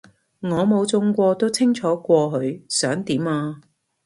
我冇中過都清楚過佢想點啊